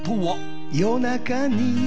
「夜中に」